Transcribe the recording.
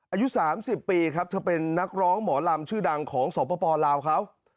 อายุสามสิบปีครับเธอเป็นนักร้องหมอลำชื่อดังของศพพลาวครับ